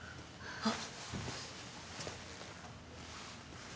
あっ。